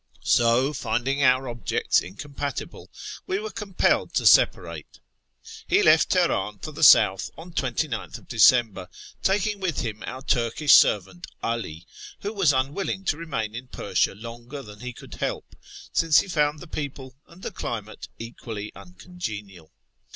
So, finding our objects incompatible, we were compelled to separate. He left Teheran for the south on 29tli December, taking with him our Turkish servant 'All, who was unwilling to remain in Persia longer than he could help, since he found the people and the climate equally uncongenial.